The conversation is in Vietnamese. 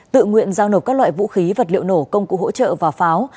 tự nguyện giao nộp các loại vũ khí vật liệu nổ công cụ hỗ trợ và pháo